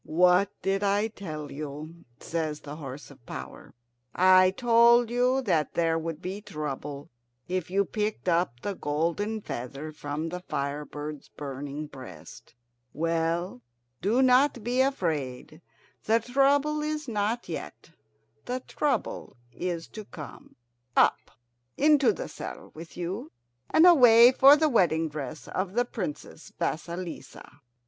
"What did I tell you?" says the horse of power. "I told you that there would be trouble if you picked up the golden feather from the fire bird's burning breast. Well, do not be afraid. The trouble is not yet; the trouble is to come. Up! into the saddle with you, and away for the wedding dress of the Princess Vasilissa!"